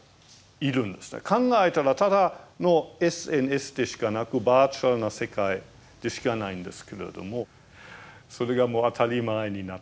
考えたらただのＳＮＳでしかなくバーチャルな世界でしかないんですけれどもそれがもう当たり前になっちゃっているんですね。